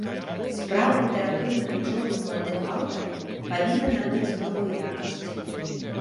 Справа літаратурнай вучобы маладых аўтараў павінна набыць новую якасць.